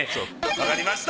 わかりました